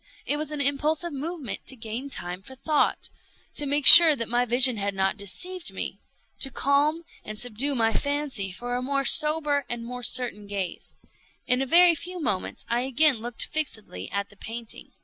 It was an impulsive movement to gain time for thought—to make sure that my vision had not deceived me—to calm and subdue my fancy for a more sober and more certain gaze. In a very few moments I again looked fixedly at the painting.